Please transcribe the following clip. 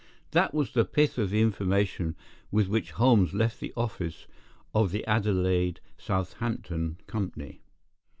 That was the pith of the information with which Holmes left the office of the Adelaide Southampton company.